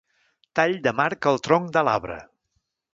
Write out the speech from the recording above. Tall de marca al tronc de l'arbre.